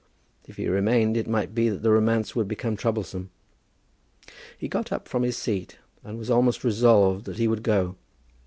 If he remained it might be that the romance would become troublesome. He got up from his seat, and had almost resolved that he would go.